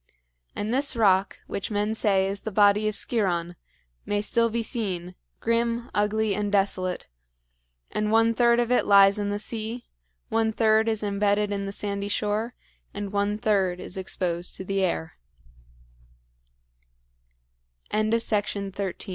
And this rock, which men say is the body of Sciron, may still be seen, grim, ugly, and desolate; and one third of it lies in the sea, one third is embedded in the sandy shore, and one third is exposed to the air. IV. WRESTLER AND WRONG DOER.